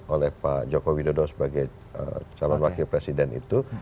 oleh pak joko widodo sebagai calon wakil presiden itu